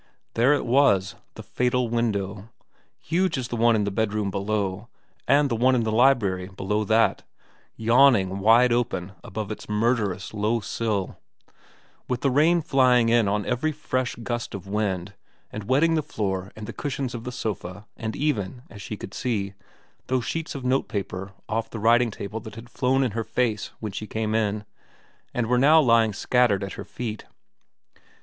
There it was, the fatal window, huge as the one in the bedroom below and the one in the library below that, yawning wide open above its murderous low sill, with the rain flying in on every fresh gust of wind and wetting the floor and the cushions of the sofa and even, as she could see, those sheets of notepaper off the writing table that had flown in her face when she came in and were now lying scattered at her feet.